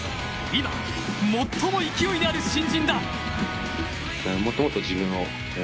今、最も勢いのある新人だ。